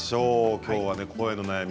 きょうは声の悩み